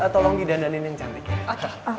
tolong didandanin yang cantik